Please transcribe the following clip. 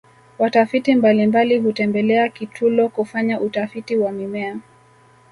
watafiti mbalimbali hutembelea kitulo kufanya utafiti wa mimea